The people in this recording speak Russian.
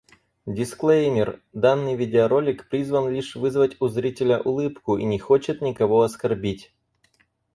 Дисклеймер! Данный видеоролик призван лишь вызвать у зрителя улыбку и не хочет никого оскорбить.